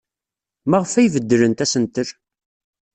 Maɣef ay beddlent asentel?